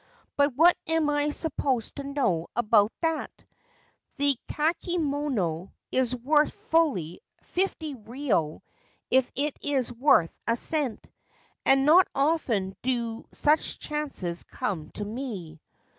( But what am I supposed to know about that ? The kakemono is worth fully 50 rio if it is worth a cent, and not often do such chances come to me.'